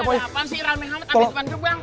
apaan sih rame rame